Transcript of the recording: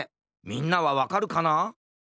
みんなはわかるかな？